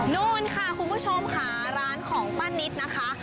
นู่นค่ะคุณผู้ชมค่ะร้านของป้านิตนะคะ